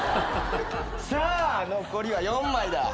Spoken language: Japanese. さあ残りは４枚だ。